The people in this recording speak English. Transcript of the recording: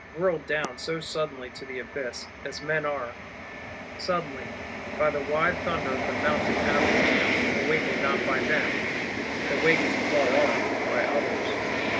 Whirled down so suddenly to the abyss; as men are, suddenly, by the wide thunder of the Mountain Avalanche, awakened not by them, awakened far off by others!